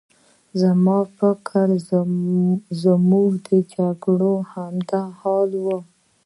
زما په فکر زموږ د جګړو همدا حال و.